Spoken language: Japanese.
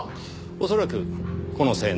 恐らくこの青年。